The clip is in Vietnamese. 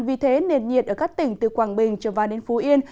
vì thế nền nhiệt ở các tỉnh từ quảng bình trở vào đến phú yên